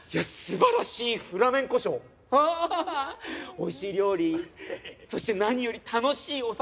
美味しい料理そして何より楽しいお酒！